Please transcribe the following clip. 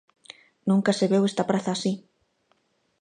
Nunca se veu esta praza así.